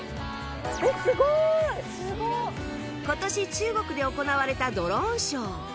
今年中国で行われたドローンショー